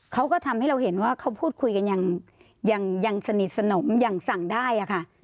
เขาก็ทำให้เราเห็นว่าเขาพูดคุยกันอย่างสนิทสนมอย่างสั่งได้ค่ะ